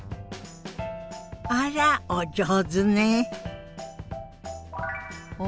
あらお上手ね。